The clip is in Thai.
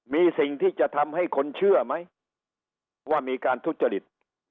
มีสิ่งที่จะทำให้คนเชื่อไหมว่ามีการทุจริต